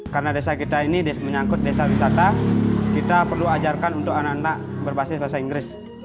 karena desa kita ini menyangkut desa wisata kita perlu ajarkan untuk anak anak berbasis bahasa inggris